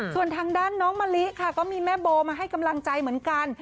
ส่วนทางด้านน้องมะลิค่ะก็มีแม่โบมาให้กำลังใจเหมือนกัน